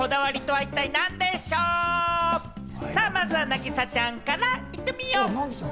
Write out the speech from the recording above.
まずは凪咲ちゃんからいってみよう！